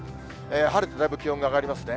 晴れてだいぶ気温が上がりますね。